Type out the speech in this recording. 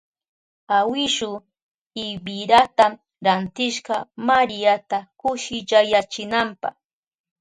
Awishu ibichirata rantishka Mariata kushillayachinanpa.